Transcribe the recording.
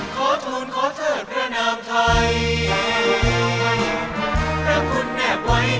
ขอโทษขอเถิดพระนามไทยรับคุณแนบไว้ในรันดอม